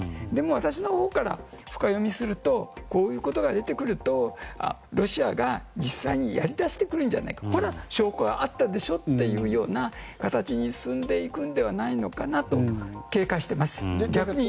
でも、私のほうから深読みするとこういうことが出てくるとロシアが実際にやりだしてくるんじゃないかほら、証拠があったでしょというような形に進んでいくのではないかなと警戒しています。